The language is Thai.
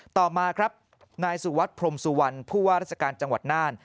ต่อมาครับนายสุวัสดิพรมสุวรรณผู้ว่าราชการจังหวัดน่าน